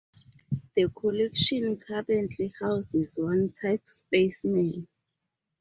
The collection currently houses one type specimen.